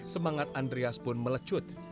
semangat andryas pun melecut